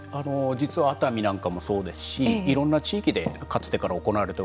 実は熱海なんかもそうですしいろんな地域でかつてから行われております。